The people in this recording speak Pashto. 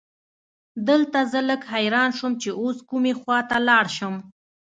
دلته زه لږ حیران شوم چې اوس کومې خواته لاړ شم.